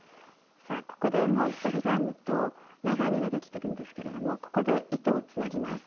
さあここでもう一つ編むと長編みができてるんですけれどもここで糸をつなぎます。